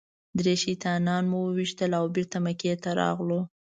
درې شیطانان مو وويشتل او بېرته مکې ته راغلو.